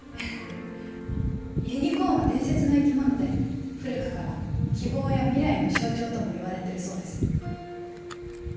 ユニコーンは伝説の生き物で古くから希望や未来の象徴ともいわれてるそうです